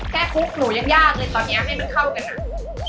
คุกหนูยังยากเลยตอนนี้ให้มันเข้ากันอ่ะ